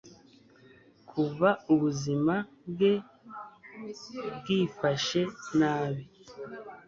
kuva ubuzima bwe bwifashe nabi